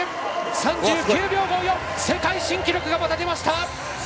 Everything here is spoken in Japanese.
３９秒５４世界新記録が出ました！